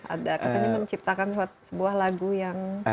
ada katanya menciptakan sebuah lagu yang